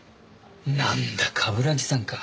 なんだ冠城さんか。